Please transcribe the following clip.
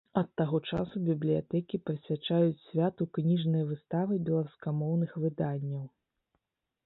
Ад таго часу бібліятэкі прысвячаюць святу кніжныя выставы беларускамоўных выданняў.